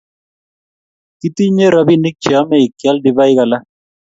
kitiye ropinik cheemei keal divaik alak